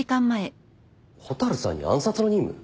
蛍さんに暗殺の任務？